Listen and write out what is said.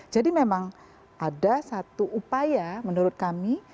jadi memang ada satu upaya menurut kami